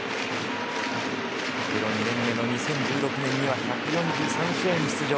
プロ２年目の２０１６年には１４３試合に出場。